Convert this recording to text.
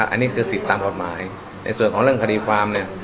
อันนี้คือสิทธิ์ตามกฎหมายในส่วนของเรื่องคดีความเนี่ย